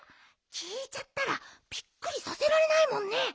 きいちゃったらびっくりさせられないもんね。